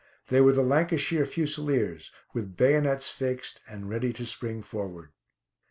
They were the Lancashire Fusiliers, with bayonets fixed, and ready to spring forward.